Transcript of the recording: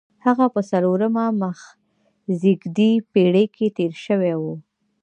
هغه په څلورمه مخزېږدي پېړۍ کې تېر شوی دی.